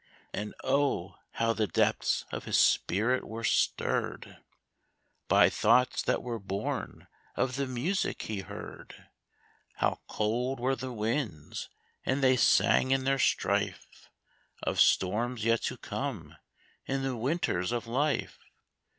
And oh! how the depths of his spirit were stirred By thoughts that were born of the music he heard! How cold were the winds, and they sang in their strife, Of storms yet to come in the winters of life.